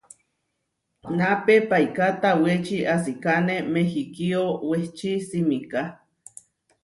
Napé paiká tawéči asikáne Mehikío wehči simiká.